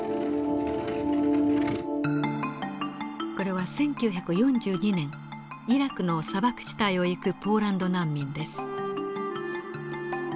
これは１９４２年イラクの砂漠地帯を行くポーランド難民です。